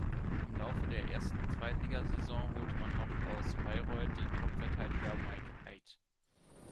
Im Laufe der ersten Zweitliga-Saison holte man noch aus Bayreuth den Top-Verteidiger Mike Heidt.